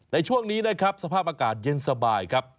ในช่วงนี้นะครับสภาพอากาศเย็นสบายครับ